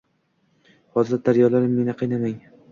Hofiz daryolarim, meni qiynamang